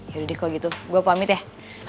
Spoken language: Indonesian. yaudah kalau gitu gue pamit ya